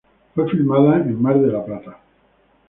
Fue filmada en Mar del Plata.